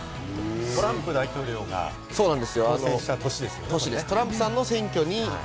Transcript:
トランプ大統領が当選した年ですよね。